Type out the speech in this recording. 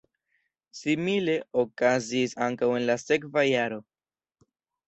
Simile okazis ankaŭ en la sekva jaro.